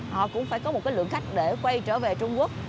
họ cũng phải có một lượng khách để quay trở về trung quốc